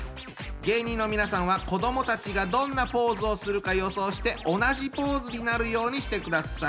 芸人の皆さんは子どもたちがどんなポーズをするか予想して同じポーズになるようにしてください。